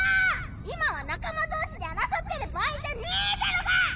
今は仲間同士で争ってる場合じゃねぇだろが！